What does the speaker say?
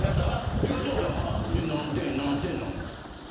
東野さんは何点、何点なのよ。